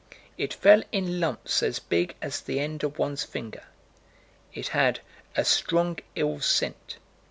"It fell in lumps as big as the end of one's finger." It had a "strong ill scent."